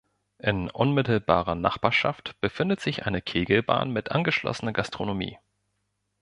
In unmittelbarer Nachbarschaft befindet sich eine Kegelbahn mit angeschlossener Gastronomie.